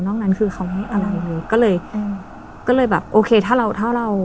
นอกนั้นคือเขาไม่อะไรเลยก็เลยก็เลยแบบโอเคถ้าเราถ้าเรา